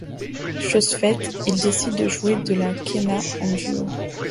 Chose faite, ils décident de jouer de la quéna en duo.